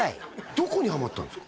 どこにハマったんすか？